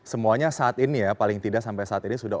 semuanya saat ini ya paling tidak sampai saat ini sudah